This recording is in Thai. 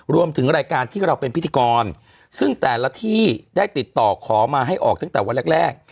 รวมถึงรายการที่เราเป็นพิธีกรซึ่งแต่ละที่ได้ติดต่อขอมาให้ออกตั้งแต่วันแรก